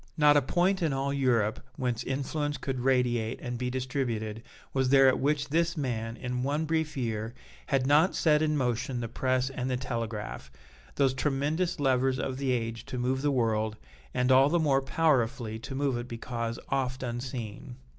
Not a point in all Europe whence influence could radiate and be distributed was there at which this man, in one brief year, had not set in motion the press and the telegraph, those tremendous levers of the age to move the world, and all the more powerfully to move it because oft unseen.